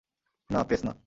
না, প্রেস না।